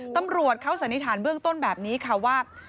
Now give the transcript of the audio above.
ตำรวจเขาสันนิษฐานเบื้องต้นแบบนี้ค่ะว่า